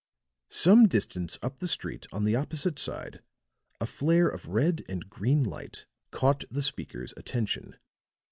Some distance up the street on the opposite side, a flare of red and green light caught the speaker's attention.